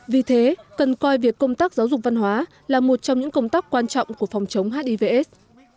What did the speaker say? vì thế cần coi việc công tác giáo dục văn hóa là một trong những công tác quan trọng của phòng chống hivs